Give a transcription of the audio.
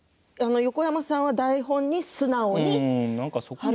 横山さんは台本に素直に。